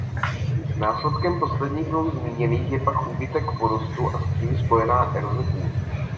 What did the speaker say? Následkem posledních dvou zmíněných je pak úbytek porostu a s tím spojená eroze půd.